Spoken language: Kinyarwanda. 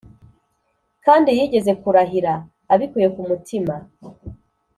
kandi (yigeze kurahira) abikuye ku mutima.